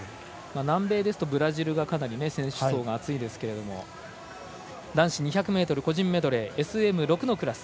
南米ですとブラジルがかなり選手層が厚いですけど男子２００ｍ個人メドレーＳＭ６のクラス。